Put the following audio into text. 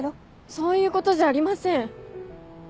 そういうことじゃありません。